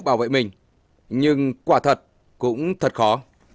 bảo vệ mình nhưng quả thật cũng thật khó